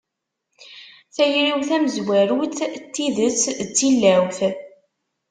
Tayri-w tamezwarut n tidet d tilawt.